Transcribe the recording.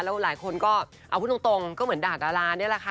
แล้วหลายคนก็เอาพูดตรงก็เหมือนด่าดารานี่แหละค่ะ